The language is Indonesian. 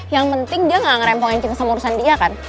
yang penting dia gak ngerempohin kita sama urusan dia kan